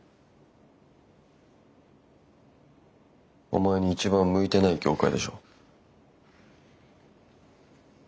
お前に一番向いてない業界でしょ。